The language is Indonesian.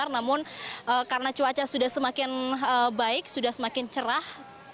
namun karena cuaca sudah semakin baik sudah semakin cerah